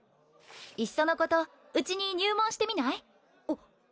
いっそのことうちに入門してみない？あっ。